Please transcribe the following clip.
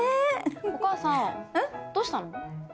お母さんどうしたの？